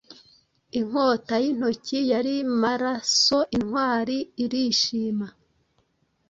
Inkota yintoki yari marasointwari irishima